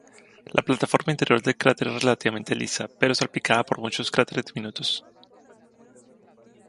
La plataforma interior del cráter es relativamente lisa, pero salpicada por muchos cráteres diminutos.